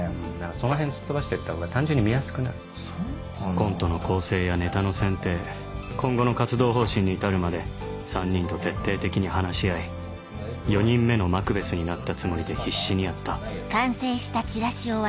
コントの構成やネタの選定今後の活動方針に至るまで３人と徹底的に話し合い４人目のマクベスになったつもりで必死にやったおい！